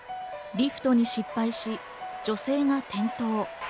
リフトに失敗し、女性が転倒。